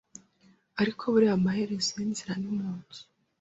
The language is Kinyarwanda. ariko buriya amaherezo y’ inzira ni munzu